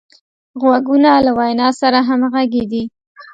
غوږونه له وینا سره همغږي دي